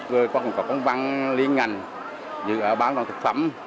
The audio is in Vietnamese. người có một cộng văn liên ngành dự ở bán con thực phẩm